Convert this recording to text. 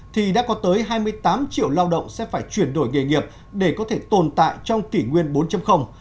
thì đã có tới hai mươi tám triệu lao động sẽ phải chuyển đổi nghề nghiệp để có thể tồn tại trong kỷ nguyên bốn